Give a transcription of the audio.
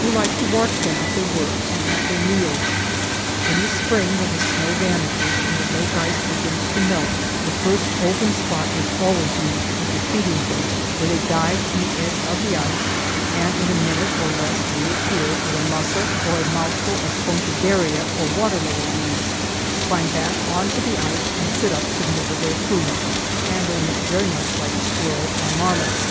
We liked to watch them at their work and at their meals. In the spring when the snow vanishes and the lake ice begins to melt, the first open spot is always used as a feeding place, where they dive from the edge of the ice and in a minute or less reappear with a mussel or a mouthful of pontederia or water lily leaves, climb back on to the ice and sit up to nibble their food, handling it very much like squirrels or marmots.